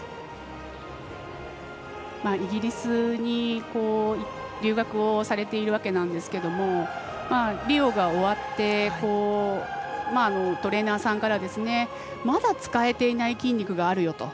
イギリスに留学をされているわけなんですけどもリオが終わってトレーナーさんからまだ使えていない筋肉があるよと。